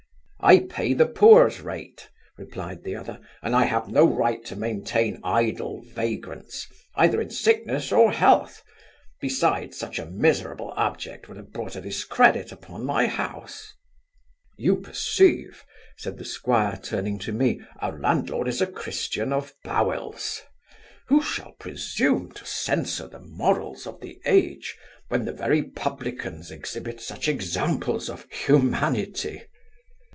'I pay the poor's rate (replied the other) and I have no right to maintain idle vagrants, either in sickness or health; besides, such a miserable object would have brought a discredit upon my house.' 'You perceive (said the 'squire, turning to me) our landlord is a Christian of bowels Who shall presume to censure the morals of the age, when the very publicans exhibit such examples of humanity?